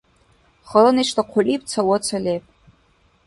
Хала нешла хъулиб ца ваца леб.